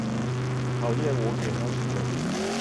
討厭我給她取的名字